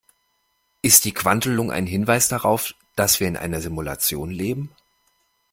Ist die Quantelung ein Hinweis darauf, dass wir in einer Simulation leben?